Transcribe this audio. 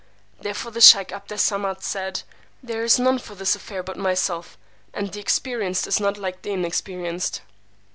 Therefore the sheykh 'Abd Es Samad said, There is none for this affair but myself, and the experienced is not like the inexperienced.